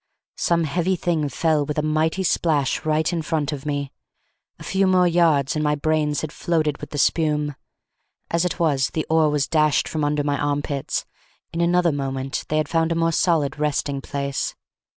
Some heavy thing fell with a mighty splash right in front of me. A few more yards, and my brains had floated with the spume. As it was, the oar was dashed from under my armpits; in another moment they had found a more solid resting place.